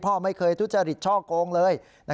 พ่อไม่เคยทุจริตช่อโกงเลย